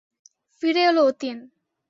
ফিরে এল অতীন।